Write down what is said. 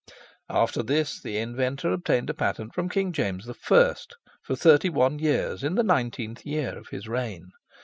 After this, the inventor obtained a patent from King James I., for thirty one years in the nineteenth year of his reign.